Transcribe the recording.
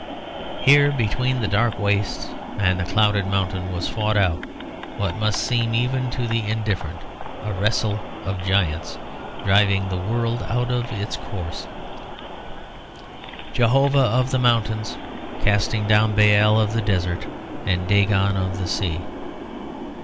Here between the dark wastes and the clouded mountain was fought out what must seem even to the indifferent a wrestle of giants driving the world out of its course; Jehovah of the mountains casting down Baal of the desert and Dagon of the sea.